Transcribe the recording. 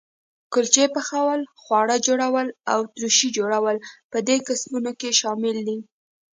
کلچې پخول، خواږه جوړول او ترشي جوړول په دې کسبونو کې شامل دي.